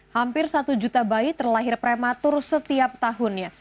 hampir satu juta bayi terlahir prematur setiap tahunnya